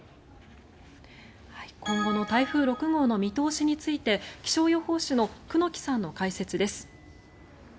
今後の台風６号の見通しについて気象予報士の久能木さんの解説です。